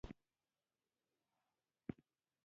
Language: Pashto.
نهه دېرشم سوال د پلانګذارۍ هدف څه دی.